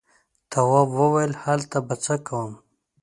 تواب وويل: هلته به څه کوم.